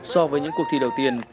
so với những cuộc thi đầu tiên